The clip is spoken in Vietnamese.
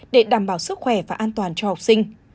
để đảm bảo sức khỏe và an toàn cho học sinh